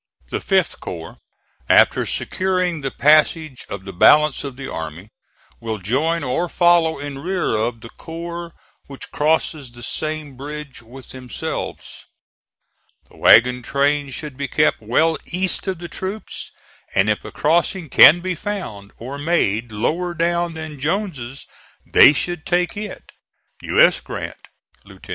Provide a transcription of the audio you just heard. The 5th corps, after securing the passage of the balance of the army, will join or follow in rear of the corps which crosses the same bridge with themselves. The wagon trains should be kept well east of the troops, and if a crossing can be found, or made lower down than Jones's they should take it. U. S. GRANT, Lieut.